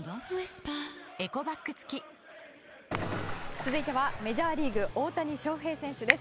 続いては、メジャーリーグ大谷翔平選手です。